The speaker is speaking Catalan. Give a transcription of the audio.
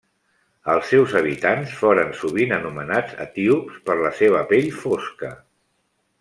Els seus habitants foren sovint anomenats etíops per la seva pell fosca.